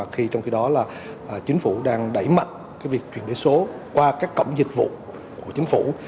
khi trong khi đó là chính phủ đang đẩy mạnh cái việc chuyển đổi số qua các cổng dịch vụ của chính phủ